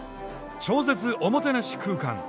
超絶おもてなし空間！